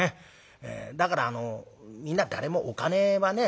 だからみんな誰もお金はね